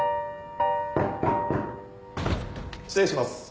・・失礼します。